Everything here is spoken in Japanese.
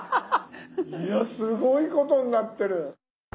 いやすごいことになってる。